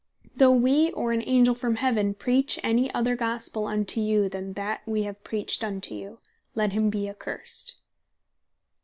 "Though we, or an Angell from Heaven preach any other Gospell unto you, than that wee have preached unto you, let him bee accursed."